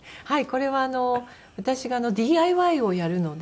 これは私がＤＩＹをやるので。